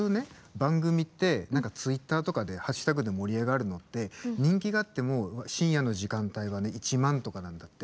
番組ってツイッターとかでハッシュタグで盛り上がるのって人気があっても深夜の時間帯は１万とかなんだって。